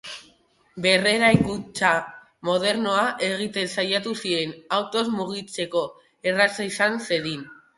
Berreraikuntza modernoa egiten saiatu ziren, autoz mugitzeko erraza izan zedin.